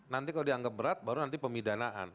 nanti kalau dianggap berat baru nanti pemidanaan